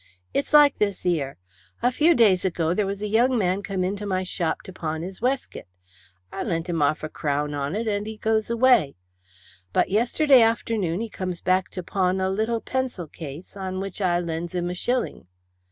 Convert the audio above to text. It's like this 'ere: a few days ago there was a young man come into my shop to pawn his weskit. I lent him arf a crown on it and he goes away. But, yesterday afternoon he comes back to pawn, a little pencil case, on which I lends him a shilling.